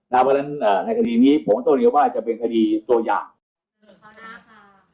ดังนั้นในคดีนี้ผมต้องเรียกว่าจะเป็นคดีโซเยียน